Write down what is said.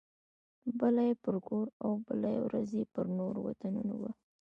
بله یې پر کور او بله ورځ یې پر نورو وطنونو وه.